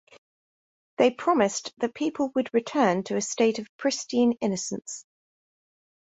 They promised that people would return to a state of pristine innocence.